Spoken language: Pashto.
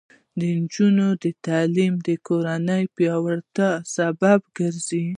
د نجونو تعلیم د کورنۍ پیاوړتیا سبب ګرځي.